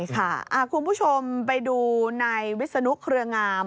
ใช่ค่ะคุณผู้ชมไปดูในวิศนุคเครืองาม